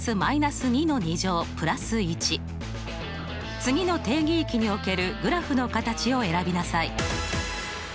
次の定義域におけるグラフの形を選びなさい。